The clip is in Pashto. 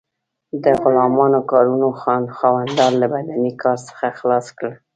د غلامانو کارونو خاوندان له بدني کار څخه خلاص کړل.